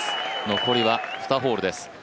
残りは２ホールです。